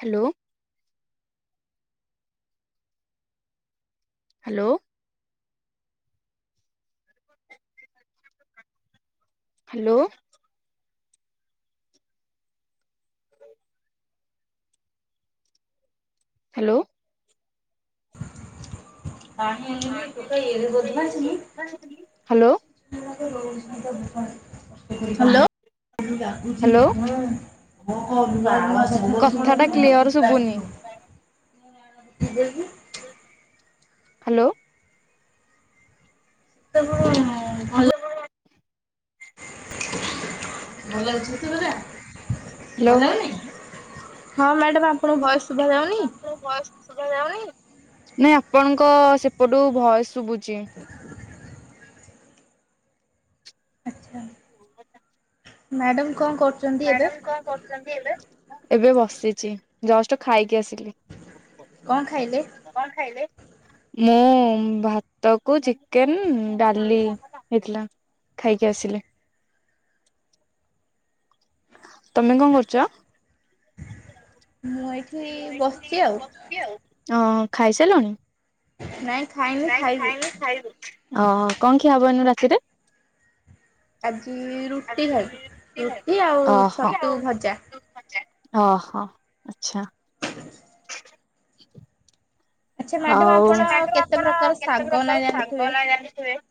Hello. Hello. Hello. Hello. ପାଣି ଆଣିକି ଟୋକା ଏଡ଼େ ବଦମାସି। ହାଲୋ। ଡାକୁୁଚି ହୁଁ। [unintelligible] ହାଲୋ। [inaudible] ହଁ ମ୍ୟାଡ଼ାମ ଆପଣଙ୍କ ଭଏସ୍ ହଁ ମ୍ୟାଡାମ ମୋ ଭଏସ୍ ଶୁଭାଯାଉନି ନାଇଁ ଆପଣଙ୍କ ସେପଟୁ ଭୟସ୍ ଶୁଭୁଛି। [unintelligible] ମ୍ୟାଡ଼ାମ କଣ କର ମ୍ୟାଡ଼ାମ କଣ କରୁଚନ୍ତି ଏବେ? ଏବେ ବସିଚି ଜଷ୍ଟ ଖାଇକି ଆସିଲି। କଣ ଖାଇଲେ? କଣ ଖାଇଲେ? ମୁଁ ଭାତ କୁ ଚିକେନ୍ ଡାଲି ହେଇଥିଲା। ଖାଇକି ଆସିଲି। ତମେ କଣ କରୁଚ? ମୁଁ ଏଠି ବସିଚି ଆଉ। ହଁ ଖାଇସାଇଲଣି? ନାଇଁ ଖାଇନି। ଖାଇବୁ ଓହୋ କଣ ଖିଆହବ ଏନା ରାତିରେ? ଆଜି ରୁଟି ଖାଇବୁ ରୁଟି ଆଉ ଛତୁ ଭଜା। ଅହୋ, ଆଚ୍ଛା। [inaudible] ହଉ, ସେ ବାଡିରୁ ଆପଣ କେତେ ପ୍ରକାର ଶାଗ ନା ଜାଣିଥିବେ?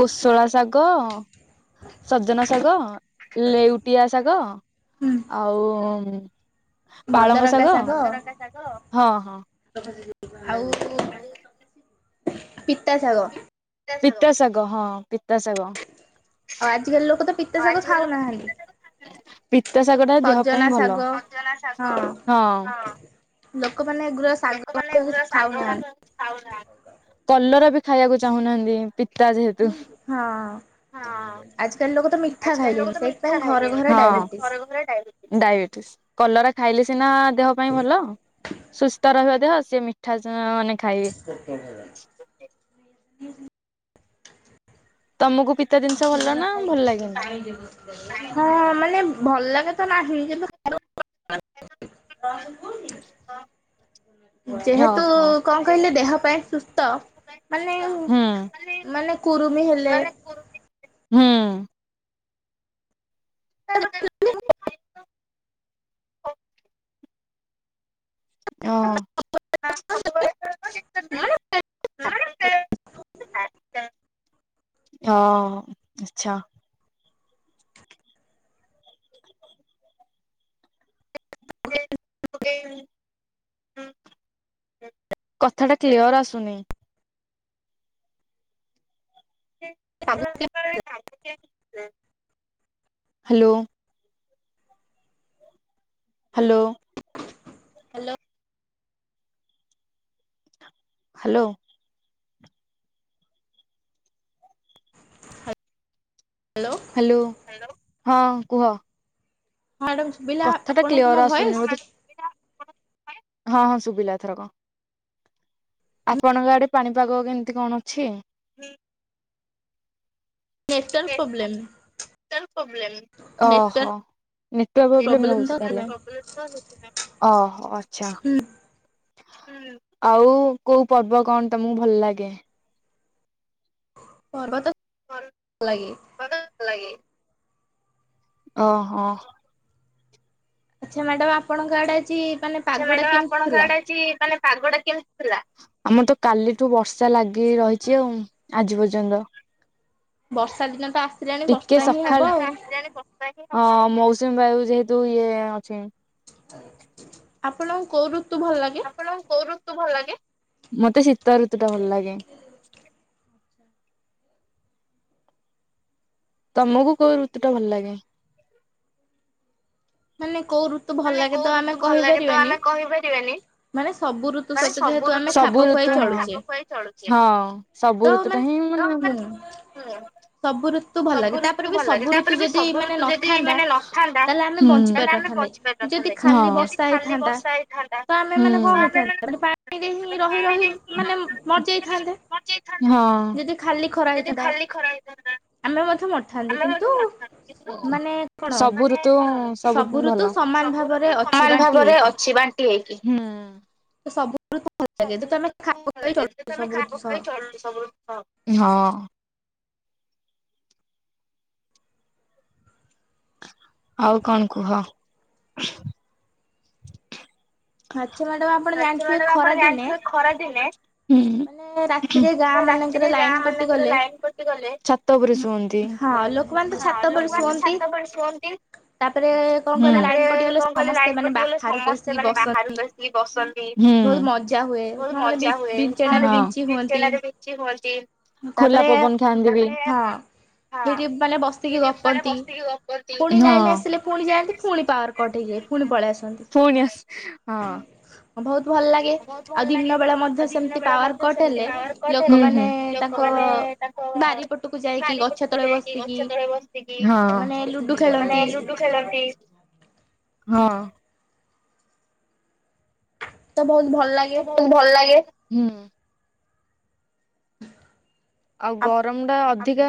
କୋଶଳା ଶାଗ, ସଜନା ଶାଗ, ଲେଉଟିଆ ଶାଗ, ଆଉ ପାଳଙ୍ଗ ଶାଗ, ହଁ, ହଁ। ଆଉ ପିତା ଶାଗ। ପିତା ଶାଗ ହଁ ପିତା ଶାଗ। ଆଉ ଆଜିକାଲି ଲୋକ ତ ଆଉ ଆଜିକାଲି ଲୋକ ତ [unintelligible] ପିତା ଶାଗ ଟା ଦେହ ପାଇଁ ଭଲ, ସଜନା ଶାଗ ହଁ। ଲୋକମାନେ ଗୃହସ୍ ଲୋକମାନେେ ଏଗୁରା ଶାଗ ମାଗ ଖାଉନାହାନ୍ତି। କଲରା ବି ଖାଇବାକୁ ଚାହୁଁନାହାନ୍ତି, ପିତା ଯେହେତୁ। ଆଜକାଲି ଲୋକ ତ ଆଜ କାଲି ଲୋକ ତ ମିଠା ଖାଇଲେଣି, ହଁ, ଘରେ ଘରେ ଡାଇବେଟିସ।। ଡାଇବେଟିସ, କଲରା ଖାଇଲେ ସିନା ଦେହ ପାଇଁ ଭଲ। ସୁସ୍ଥ ରହିବ ଦେହ, ସିଏ ମିଠା ମାନେ ଖାଇବେ। [inaudible] ତମକୁ ପିତା ଜିନିଷ ଭଲ ନା ଭଲ ଲାଗେନି? ହଁ, ମାନେ ଭଲ ଲାଗେ ତ ନାହିଁ, କିନ୍ତୁ [unintelligible] [unintelligible] ଯେହେତୁ କଣ କହିଲେ ଦେହ ପାଇଁ ସୁସ୍ଥ, ମାନେ ମାନେ କୁରୁମି ହେଲେ। ହୁଁ। [unintelligible] ହଁ, [inaudible] [inaudible] ହଁ, ଆଛା। ହଁ [inaudible] କଥାଟା କ୍ଲିୟର ଆସୁନି। [inaudible] ଆ [inaudible] [inaudible] hello hello. Hello. Hello. Hello. Hello, ହଁ କୁହ। [inaudible] କଥା ଟା କ୍ଲିୟର ଆସୁନି, [inaudible] ହଁ, ହଁ ଶୁଭିଲା ଏଥରକ। ଆପଣଙ୍କ ଆଡେ ପାଣିପାଗ କେମିତି କଣ ଅଛି? ପ୍ରୋବଲେମ। [inaudible] ପ୍ରୋବଲେମ୍, ଓହୋ, ନେଟୱର୍କ ପ୍ରୋବଲେମ ହଉଛି ତାହେଲେ। ଓହୋ, ଆଚ୍ଛା। ହୁଁ, ଆଉ କୋଉ ପର୍ବ କଣ ତମକୁ ଭଲ ଲାଗେ? ପର୍ବତ ଭଲ ଲାଗେ। [unintelligible] ଭଲ ଲାଗେ। ଓହୋ। ଆଛା ମ୍ୟାଡାମ ଆପଣଙ୍କ ଆଡେ ଆଜି [unintelligible] ଆଛା ମ୍ୟାଡ଼ାମ ଆପଣଙ୍କ ଆଡେ ମାନେ ପାଗ ଟା କେମିତି ଥିଲା? ବର୍ଷା ଲାଗି ରହିଛି ଆଉ, ଆଜି ପର୍ଯ୍ୟନ୍ତ। ବର୍ଷା ଦିନ ତ ଆସିଲାଣି, ବର୍ଷା ହିଁ ହବ ଆଉ। ହଁ ମୌସୁମୀ ବାୟୁ ଯେହେତୁ ଇଏ ଅଛି। ଆପଣଙ୍କୁ କୋଉ ଋତୁ ଭଲ ଲାଗେ? ଆପଣଙ୍କୁ କୋଉ ଋତୁ ଭଲ ଲାଗେ? ତମକୁ କୋଉ ଋତୁଟା ଭଲ ଲାଗେ? ମାନେ କଉ ଋ ମାନେ କୋଉ ଋତୁ ଭଲ ଲାଗେ ତ ଆମେ କହିପାରିବାନି ମାନେ ସବୁଋତୁ, ସବୁଋତୁ କୁ ଆମେ ଖାପଖୁଆଇ ଚଳୁଚେ। ସବୁ ଋତୁ ଟା ହିଁ ସବୁୁ ରୁତ୍ ସବୁ ଋତୁ ଭଲ ଲାଗେ, ତାପରେ ବି ସବୁ ଋତୁ ଯଦି ମାନେ ନଥାନ୍ତା ତାହେଲେ ଆମେ ବଞ୍ଚି ପାରିନଥାନ୍ତେ, ଯଦି ଖାଲି ବର୍ଷା ହେଇଥାନ୍ତା, ତ ଆମେ ଯଦି ପାଣି ବିଲକୁଲ ନଥାନ୍ତା, ତାହେଲେ ଆମେ ମାରିଯାଇଥାନ୍ତେ, ଯଦି ଖାଲି ଖରା ହେଇଥାନ୍ତା ଆମେ ମଧ୍ୟ ମରି ଆମେ ମଧ୍ୟ ମରିଥାନ୍ତେ [unintelligible] ସବୁ ଋତୁ ସମାନ ଭାବରେ ଅଛି ବାଣ୍ଟି ହେଇକି। ତ ସବୁ ସବୁ ଋତୁ ଭଲ ଲାଗେ, ଯେତେବେଳେ ଖାପଖୁଆଇ ଚଳିବ ସବୁ ଋତୁ ସହ। ଆଉ କଣ କୁହ? ଆଛା ମ୍ୟାଡ଼ାମ ଆ ଆଛା ମ୍ୟାଡାମ, ଆପଣ ଜାଣିଥିବେ ଖରାଦିନେ ଖରାଦିନେ ରାତିରେ ଗାଁ ମାନଙ୍କର ଲାଇନ କଟି ଗଲେ ହଁ ଲୋକମାନେ ତ ଛାତ ଉପରେ ଶୁଅନ୍ତି। ତାପରେ କଣ କହିଲେ, ଲାଇନ କଟିଗଲେ, ସମସ୍ତେ ମାନେ ବାହାରକୁ ଆସିକି ବସନ୍ତି, ବହୁତ ମଜା ହୁଏ। ସେମାନେ ବିଞ୍ଚଣା ରେ ବିଞ୍ଚି ହୁଅନ୍ତି [unintelligible] ହେଠ ମାନେ ବସିକି ଗପନ୍ତି, ପୁଣି ନାଇଁଲେ ଆସିଲେ ପୁଣି ଯାଆନ୍ତି ପୁଣି ପାୱାର କଟ୍ ହେଇଯାଏ, ପୁଣି ପଳେଇ ଆସନ୍ତି। ବହୁତ ଭଲ ଲାଗେ, ଆଉ ଦିନ ବେଳେ ମଧ୍ୟ ସେ ଦିନ ବେଳା ମଧ୍ୟ ସେମତି ପାୱାର କଟ ହେଲେ, ଲୋକମାନେ ତାଙ୍କ ବାରି ପଟକୁ ଯାଇକି, ଗଛ ତଳେ ବସିକି, ମାନେ ଲୁଡୁ ଖେଳ ହଁ। ତ ବହୁତ ଭଲ ଲାଗେ। ଭଲ ଲାଗେ। ଆଉ ଗରମଟା ଅଧିକା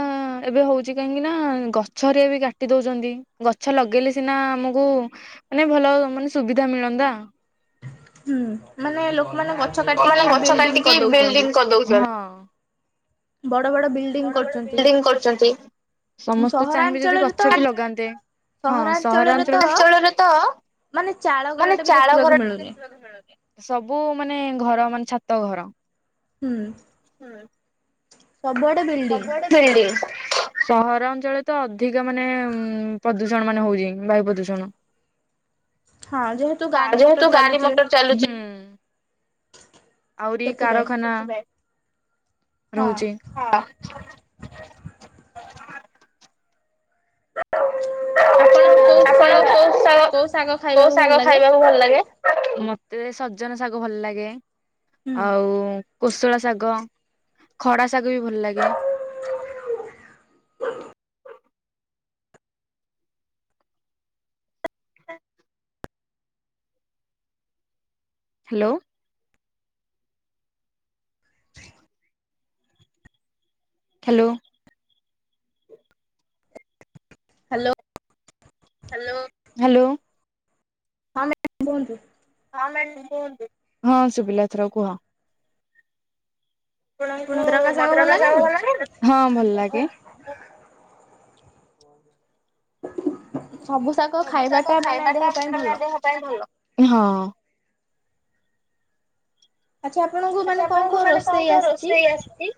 ଏବେ ହଉଚି, କାହିଁକି ନା, ଗଛ ହେରିକା ବି କାଟି ଦେଉଚନ୍ତି। ଗଛ ଲଗେଇଲେ ସିନା ଆମକୁ ମାନେ ଭଲ ମାନେ ସୁବିଧା ମିଳନ୍ତା। ହୁଁ, ମାନେ ଲୋକମାନେ ଗଛ କାଟିକି ବିଲଡିଙ୍ଗ କରିଦଉଚନ୍ତି। ହଁ। ବଡ ବଡ଼ ବିଲ୍ ବଡ ବଡ ବିଲଡିଙ୍ଗ କରଛନ୍ତି ସମସ୍ତେ ଚାହିଁବେ ଯଦି ଗଛ ବି ଲଗାନ୍ତେ। ହଁ ସହରାଞ୍ଚଳ ଅଞ୍ଚଳରେ ତ ମାନେ ଚାଳ ଘର ଟା ବି ଦେଖିବାକୁ ମିଳୁନି। ସବୁ ମାନେ ଘର ମାନେ ଛାତ ଘର। ହୁଁ ସବୁଆଡେ ବିଲ୍ଡିଂ। ସହରାଞ୍ଚଳରେ ତ ଅଧିକ ମାନ ପ୍ରଦୂଷଣ ମାନେ ହଉଛି ବାୟୁ ପ୍ରଦୂଷଣ। ହଁ ଯେ ହଁ ତୁ ଗାଡି ମୋଟର ଚାଲୁଛି। [inaudible] ଆହୁରି କାରଖାନା ରହୁଛି [unintelligible] ଆପଣଙ୍କୁ କୋଉ କୋଉ ଶାଗ ଖାଇବାକୁ ଭଲ ଲାଗେ? ମତେ ସଜନା ଶାଗ ଭଲ ଲାଗେ ଆଉ କୋଶଳ ଶାଗ ଖଡା ଶାଗ ବି ଭଲ ଲାଗେ। [inaudible] Hello. [inaudible] Hello. Hello. Hello hello. ହଁ ମ୍ୟାମ କୁହନ୍ତୁ? ହଁ ସୁଭିଲା ଏଥର କୁହ। ଆପଣଙ୍କୁ ମଦକା ଶାଗ ଭଲ ଲାଗେ ହଁ ଭଲ ଲାଗେ। ସବୁ ଶାଗ ଖାଇବାଟା ମାନେ ଦେହ ପାଇଁ ଭଲ ହଁ। ଆଚ୍ଛା ଆପଣଙ୍କୁ ଆଚ୍ଛା ଆପଣଙ୍କୁ ମାନେ କଣ କଣ ରୋଷେଇ ଆସିଛି?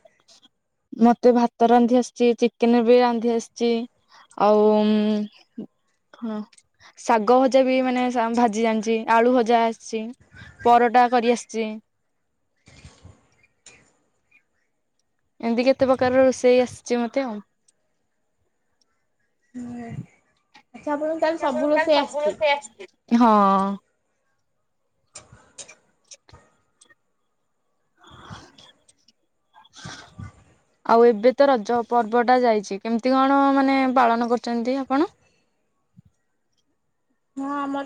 ମତେ ଭାତ ରାନ୍ଧି ଆସିଛି ଚିକେନ ବି ରାନ୍ଧି ଆସିଛି? ଆଉ ହଁ। ଶାଗ ଭଜା ବି ମାନେ ଭାଜି ଜାଣିଛି ଆଳୁ ଭଜା ଆସିଛି। ପରଟା କରିଆସେ। ଏମିତି କେତେ ପ୍ରକାରର ରୋଷେଇ ଆସିଛି ମତେ ଆଉ। ହୁଁ ଆଚ୍ଛା ଆପଣଙ୍କୁ ତାହେଲେ ସବୁ ରୋଷେଇ ଆସିଛି? ହଁ ହଁ। [inaudible] [inaudible] ଆଉ ଏବେ ତ ରଜ ପର୍ବ ଟା ଯାଇଛି କେମତି କଣ ମାନେ ପାଳନ କରିଛନ୍ତି ଆପଣ।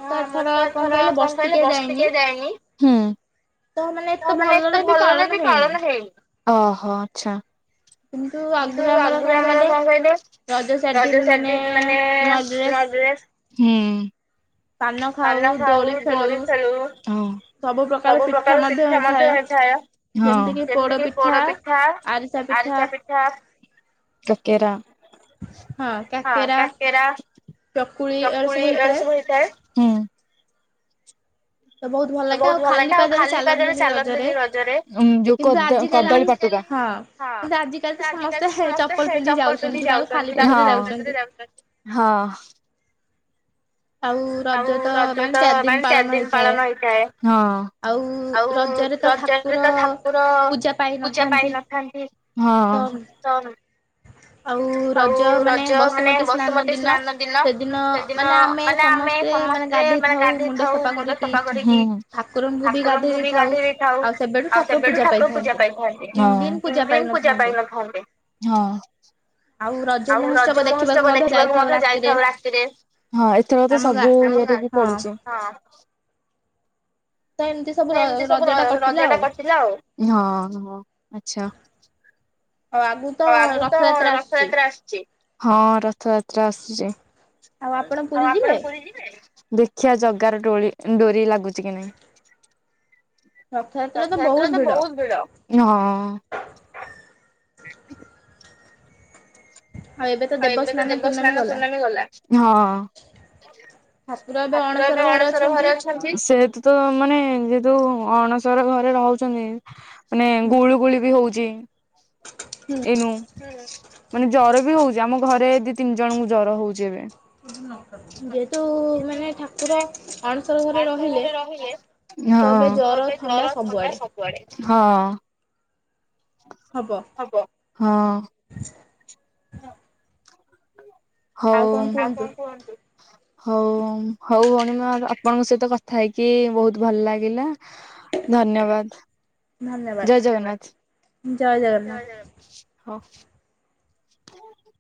ହଁ ଆମର ତ ଏଥର କଣ କହିଲେ ବର୍ଷିକିଆ ଯାଇନି। ତା ମାନେ ଏତେ ଭଲରେ ବି ପାଳନ ହେଇନି ଓହୋ ଆଚ୍ଛା। କିନ୍ତୁ ଆଗରୁ ଆମର କଣ କହିଲେ? ରଦ୍ର ସାର ଦିନ ମାନେ [unintelligible] କାନ ଖାଉ ଦଡୋଳି ଖେଳୁ ସବୁ ପ୍ରକାର ଶିକ୍ଷା ମଧ୍ୟ ହେଇଥାଏ କେମିତିକ [unintelligible] ପିଠା ଆରିସା ପିଠା କକରା। ହଁ କାକେରା ଚକୁଳି ଏ ସବୁ ହେଇଥାଏ। ହୁଁ। ତ ବହୁତ ଭଲ ଲଟା। ଆଉ ଖାଲି ପାଦରେ ଚାଲନ୍ତିନି ରଜରେ ଯୋଉ କଦଳୀ ପଟକା ହଁ। ଆଜିକାଲି ତ ସମସ୍ତେ ଚପଲ ପିନ୍ଧି ଯାଉଛନ୍ତି। ରେ ଯାଉଛନ୍ତି। ହଁ। ଆଉ ରଜ ତ ମାନେ ଚାରି ଦିନ ପାଳନ ହେଇଥାଏ। ଆଉ ରଜରେ ତ ଠାକୁର ପୂଜା ପାଇନଥାନ୍ତି। ହଁ। ତ ଆଉ ରଜ ମାନେ ବସୁମତୀ ସ୍ନାନ ଦିନ, ସେଦିନ ମାନେ ଆମେ ସମସ୍ତେ ମାନେ ଗାଧେଇ ଥାଉ ମୁଣ୍ଡ ସଫା କରିକି। ଠାକୁରଙ୍କୁ ବି ଗାଧେଇ ରେ ଥାଉ ଆଉ ସେବେଳୁ ଠାକୁର ପୂଜା ପାଇଥାନ୍ତି। ତିନି ଦିନ ପୂଜା ପାଇନଥାନ୍ତି। ହଁ। ଆଉ ରଜ ମହୋତ୍ସବ ଦେଖିବାକୁ ମଧ୍ୟ ଯାଇଥାଉ ରାତିରେ। ହଁ। ଏଥର ତ ସବୁ ରେ ବି ପଡୁଛି। ତ ଏମତି ଏମିତି ସବୁ ରଜ ଟା କଟିଲା ଆଉ। ହଁ, ହଁ ଆଛା। ଆଉ ଆଗକୁ ଆଗ ତ ରଥଯାତ୍ରା ଆସିଛି। ହଁ, ରଥଯାତ୍ରା ଆସୁଛି। ଆଉ ଆପଣ ପୁରୀ ଯିବେ? ଦେଖିବା ଜଗା ର ଡୋରି, ଡୋରି ଲାଗୁଚି କି ନାହିଁ। ରଥଯାତ୍ରା ତ ବହୁତ ଭିଡ। ହଁ। ହ [inaudible] ଏବେ ତ ଦେବସ୍ନାନ ପୂର୍ଣମୀ ଗଲା। ହଁ। ଠାକୁର ଏବେ ଅଣସର ଘରେ ଅଛନ୍ତି। ସେତୁ ତ ମାନେ ଯେହେତୁ ଅଣସର ଘରେ ରହୁଛନ୍ତି। ମାନେ ଗୁଳୁ ଗୁଳି ବି ହଉଛି ଏଇନୁ। ମାନେ ଜ୍ୱର ବି ହଉଛି। ଆମ ଘରେ ଦି, ତିନି ଜଣଙ୍କୁ ଜ୍ୱର ହଉଛି ଏବେ। ଯେହେତୁ ମାନେ ଠାକୁର ବାଣସର ଘରେ ରହିଲେ। ହଁ, ତ ଏବେ ଜର ଥଣ୍ଡା ସବୁ। ହଁ, ହଁ। ହଁ [inaudible] ହଉ, ଆଉ କଣ କୁହନ୍ତୁ। ହଉ, ହଉ, ଭଉଣୀ ମ ଆପଣଙ୍କ ସହିତ କଥା ହେଇକି ବହୁତ ଭଲ ଲାଗିଲା। ଧନ୍ୟବାଦ। ଜୟ ଜଗନ୍ନାଥ। ଜୟ ଜଗନ୍ନାଥ। ହଁ। ହୁଁ।